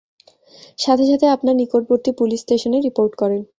সাথে সাথে আপনার নিকটবর্তী পুলিশ স্টেশনে রিপোর্ট করেন।